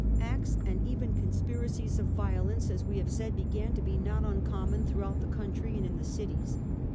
Acts and even conspiracies of violence, as we have said, began to be not uncommon throughout the country and in the cities.